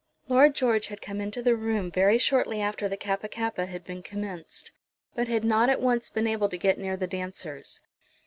Lord George had come into the room very shortly after the Kappa kappa had been commenced, but had not at once been able to get near the dancers.